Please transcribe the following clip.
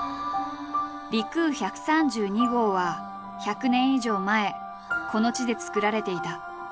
陸羽１３２号は１００年以上前この地で作られていた。